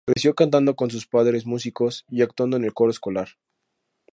Creció cantando con sus padres músicos y actuando en el coro escolar.